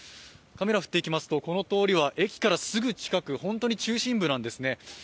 カメラを振っていきますとこの通りは駅からすぐ近く、本当に中心部なんですね。